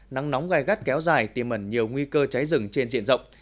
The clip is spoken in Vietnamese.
nắng nóng gai gắt kéo dài tiêm ẩn nhiều nguy cơ cháy rừng trên diện rộng